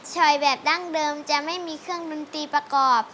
อยแบบดั้งเดิมจะไม่มีเครื่องดนตรีประกอบ